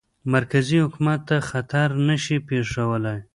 مرکزي حکومت ته خطر نه شي پېښولای.